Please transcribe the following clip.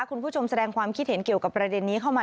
คุณผู้ชมแสดงความคิดเห็นเกี่ยวกับประเด็นนี้เข้ามา